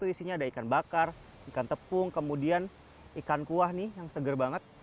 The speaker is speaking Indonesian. isinya ada ikan bakar ikan tepung kemudian ikan kuah nih yang seger banget